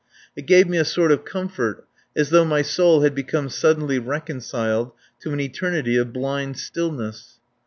It gave me a sort of comfort, as though my soul had become suddenly reconciled to an eternity of blind stillness.